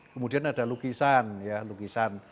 kemudian ada lukisan